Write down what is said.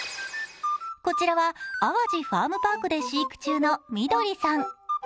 こちらは淡路ファームパークで飼育中のみどりさん。